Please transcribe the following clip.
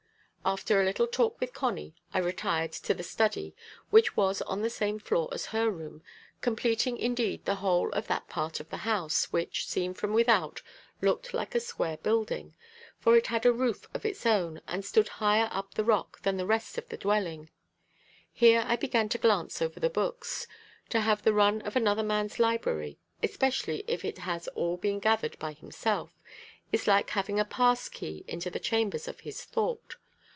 After a little talk with Connie, I retired to the study, which was on the same floor as her room completing, indeed, the whole of that part of the house, which, seen from without, looked like a separate building; for it had a roof of its own, and stood higher up the rock than the rest of the dwelling. Here I began to glance over the books. To have the run of another man's library, especially if it has all been gathered by himself, is like having a pass key into the chambers of his thought.